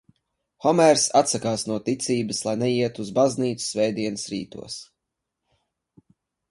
Homērs atsakās no ticības, lai neietu uz baznīcu svētdienas rītos.